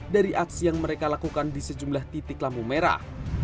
dari aksi yang mereka lakukan di sejumlah titik lampu merah